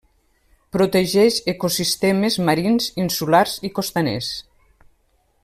Protegeix ecosistemes marins, insulars i costaners.